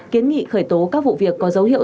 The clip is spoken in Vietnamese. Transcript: kiến nghị khởi tố các vụ việc có dấu hiệu